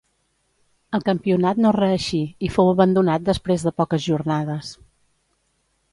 El campionat no reeixí i fou abandonat després de poques jornades.